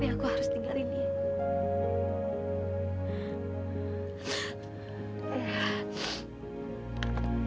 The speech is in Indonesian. apa yang aku harus tinggalin dia